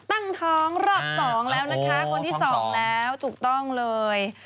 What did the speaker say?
ตั้งท้องรอบ๒แล้วนะคะคนที่สองแล้วถูกต้องเลย